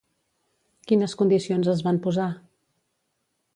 Quines condicions es van posar?